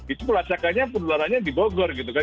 itu pelacakannya penularannya di bogor gitu kan